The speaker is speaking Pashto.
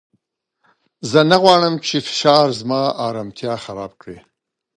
زه نه غواړم چې فشار زما ارامتیا خراب کړي.